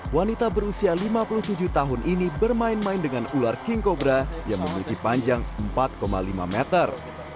wanita berusia lima puluh tujuh tahun ini bermain main dengan ular king cobra yang memiliki panjang empat lima meter